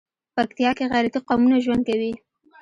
پکتيا کې غيرتي قومونه ژوند کوي.